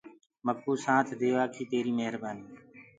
مڪو سآٿ ديوآ ڪي تيري مهربآني